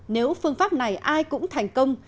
nếu phương pháp này ai cũng thành công